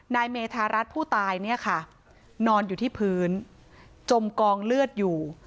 เมธารัฐผู้ตายเนี่ยค่ะนอนอยู่ที่พื้นจมกองเลือดอยู่